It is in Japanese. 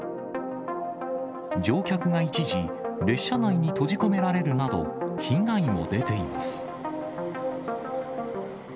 乗客が一時、列車内に閉じ込められるなど、被害も出ています。